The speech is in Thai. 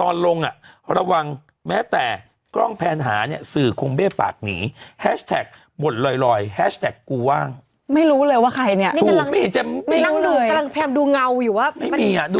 ตอนนี้ก็แบบปกติก็จะถามกันว่า